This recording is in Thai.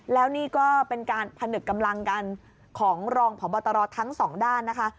แล้วนี่ก็เป็นการผนึกกำลังกันของรองพบตรทั้งสองด้านนะคะ